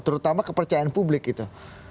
terutama kepercayaan publik gitu